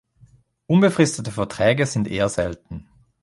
Unbefristete Verträge sind eher selten.